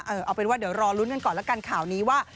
เอาเป็นว่าเดี๋ยวรอลุ้นกันก่อนแล้วกันข่าวนี้ว่า